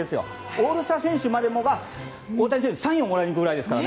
オールスター選手までもが大谷選手にサインをもらいに来るくらいですから。